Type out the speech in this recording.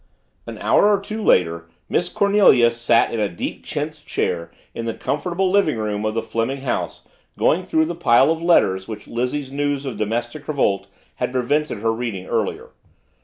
An hour or so later, Miss Cornelia sat in a deep chintz chair in the comfortable living room of the Fleming house going through the pile of letters which Lizzie's news of domestic revolt had prevented her reading earlier.